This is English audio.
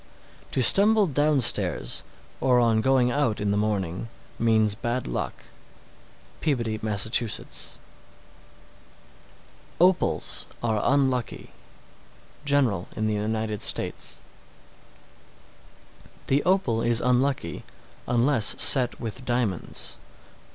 _ 672. To stumble downstairs, or on going out in the morning, means bad luck. Peabody, Mass. 673. Opals are unlucky. General in the United States. 674. The opal is unlucky, unless set with diamonds.